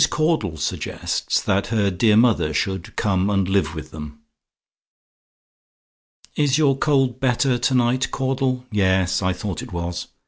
CAUDLE SUGGESTS THAT HER DEAR MOTHER SHOULD "COME AND LIVE WITH THEM." "Is your cold better to night, Caudle? Yes; I thought it was.